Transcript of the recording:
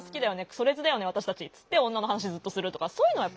くそレズだよね私たち」つって女の話ずっとするとかそういうの。